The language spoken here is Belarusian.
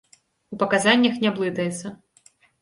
У паказаннях не блытаецца.